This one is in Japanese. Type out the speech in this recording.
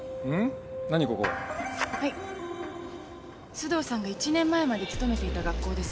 須藤さんが１年前まで勤めていた学校です。